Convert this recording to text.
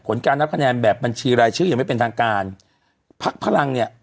การนับคะแนนแบบบัญชีรายชื่อยังไม่เป็นทางการพักพลังเนี่ย